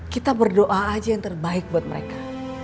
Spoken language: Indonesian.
kita berdoa aja yang terbaik buat mereka